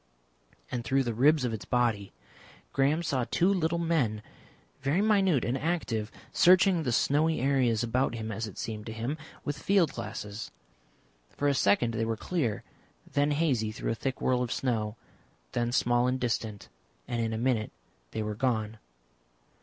And, through the ribs of its body, Graham saw two little men, very minute and active, searching the snowy areas about him, as it seemed to him, with field glasses. For a second they were clear, then hazy through a thick whirl of snow, then small and distant, and in a minute they were gone.